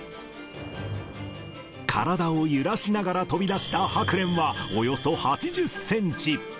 体を揺らしながら飛び出したハクレンはおよそ８０センチ。